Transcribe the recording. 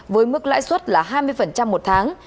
với mức lãi suất là hai mươi một tháng